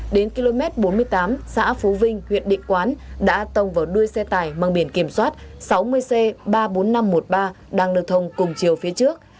đến km bốn mươi tám xã phú vinh huyện định quán đã tông vào đuôi xe tải mang biển kiểm soát sáu mươi c ba mươi bốn nghìn năm trăm một mươi ba đang lưu thông cùng chiều phía trước